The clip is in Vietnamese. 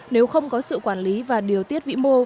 nếu không có sự quản lý và điều tiết vĩ mô